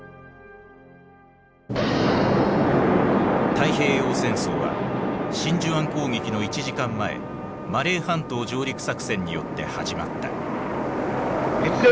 太平洋戦争は真珠湾攻撃の１時間前マレー半島上陸作戦によって始まった。